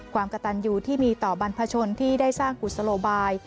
กระตันอยู่ที่มีต่อบรรพชนที่ได้สร้างกุศโลบาย